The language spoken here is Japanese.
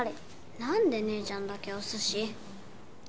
何で姉ちゃんだけお寿司？